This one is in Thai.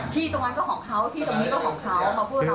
ที่ตรงนั้นก็ของเขาที่ตรงนี้ก็ของเขามาพูดเรา